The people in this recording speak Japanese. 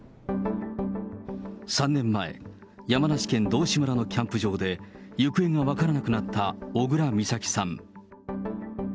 ３年前、山梨県道志村のキャンプ場で、行方が分からなくなった小倉美咲さん。